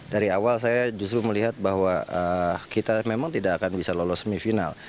dari awal saya justru melihat bahwa kita memang tidak akan bisa lolos semifinal